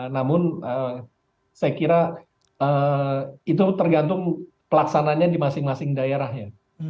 namun saya kira itu tergantung pelaksananya di masing masing daerahnya